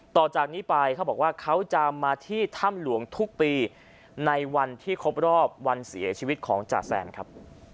ต่อจากนี้ไปเขาบอกว่าเขาจะมาที่ถ้ำหลวงทุกปีในวันที่ครบรอบวันเสียชีวิตของจ่าแซมครับ